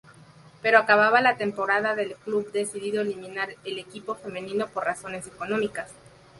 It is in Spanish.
Pero acabada la temporada el club decidió eliminar el equipo femenino por razones económicas.